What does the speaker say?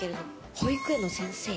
保育園の先生？